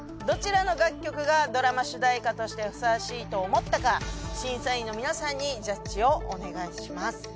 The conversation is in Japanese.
どちらの楽曲がドラマ主題歌としてふさわしいと思ったか審査員の皆さんにジャッジをお願いします。